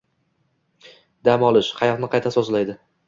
Dam olish, hayotni qayta sozlaydi.